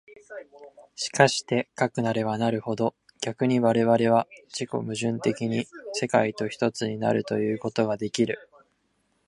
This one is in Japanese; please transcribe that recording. しかしてかくなればなるほど、逆に我々は自己矛盾的に世界と一つになるということができる。